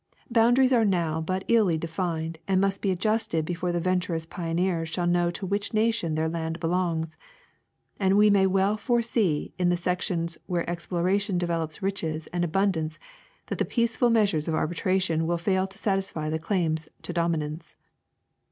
Boundaries now but illy de fined must be adjusted before the venturous pioneers shall know to which nation their lands belong, and we may well foresee in the sections where exj^loration develops riches and abundance that the peaceful measures of arbitration will fail to satisfy the claims to dominance.